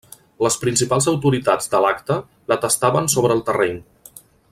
Les principals autoritats de l'acte la tastaven sobre el terreny.